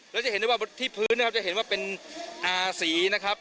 แล้วจะเห็นได้ว่าที่พื้นนะครับจะเห็นว่าเป็นอาสีนะครับ